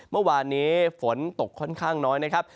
เมื่อวานนี้ฝนตกค่อนข้างน้อยนะครับ